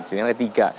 jadi ini ada tiga